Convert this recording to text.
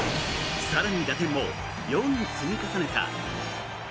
更に打点も４に積み重ねた。